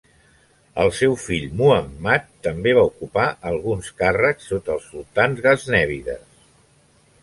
El seu fill Muhammad també va ocupar alguns càrrecs sota els sultans gaznèvides.